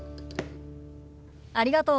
ありがとう。